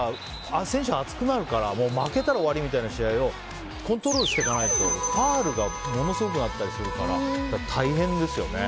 選手熱くなるから負けたら終わりみたいな試合をコントロールしていかないとファウルがものすごくなったりするから大変ですよね。